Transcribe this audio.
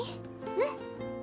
うん。